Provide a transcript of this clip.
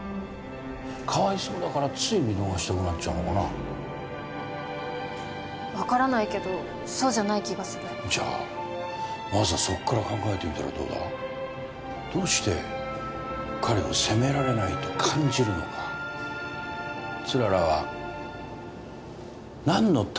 かわいそうだからつい見逃したくなっちゃうのかな分からないけどそうじゃない気がするじゃあまずはそこから考えてみたらどうだどうして彼を責められないと感じるのか氷柱は何のために検事を目指すのか